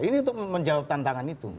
ini untuk menjawab tantangan itu